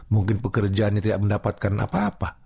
mungkin pekerjaannya tidak mendapatkan apa apa